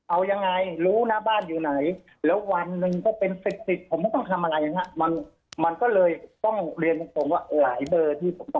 เอายังไงรู้นะบ้านอยู่ไหนแล้ววันหนึ่งก็เป็นสิบสิบผมก็ต้องทำอะไรนะมันมันก็เลยต้องเรียนตรงว่าหลายเบอร์ที่ผมต้อง